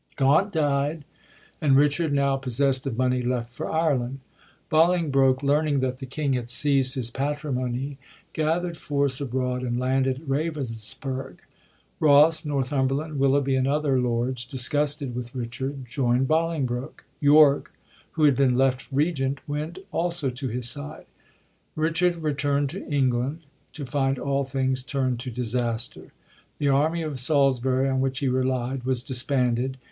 Gaunt died ; and Richard, now possest of money, left for Ireland. Bolingbroke, learn ing that the king had seizd his patrimony, gatherd force abroad and landed at Ravenspurg. Ross, Northmn berland, Willoughby and other lords, disgusted with Richard, joind Bolingbroke. Tork, who had been left regent, went also to his side. Richard returnd to England, to find all things tumd to disaster. The army of Salis bury, on which he relied, was disbanded.